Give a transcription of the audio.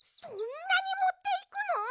そんなにもっていくの？